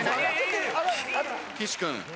岸君